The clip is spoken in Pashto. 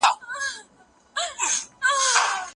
څېړنه مختلف ډولونه لري.